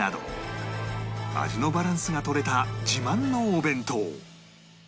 味のバランスが取れた自慢のお弁当